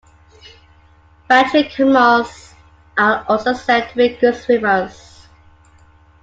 Bactrian camels are also said to be good swimmers.